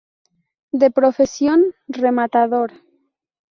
De profesión rematador.